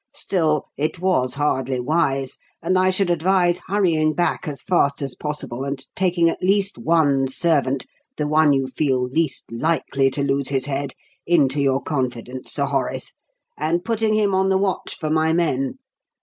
Still, it was hardly wise, and I should advise hurrying back as fast as possible and taking at least one servant the one you feel least likely to lose his head into your confidence, Sir Horace, and putting him on the watch for my men.